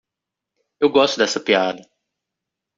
Eu gosto dessa piada.